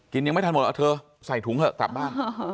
ยังไม่ทันหมดเอาเธอใส่ถุงเถอะกลับบ้าน